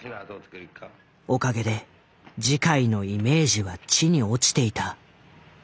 おかげで慈海のイメージは地に落ちていた。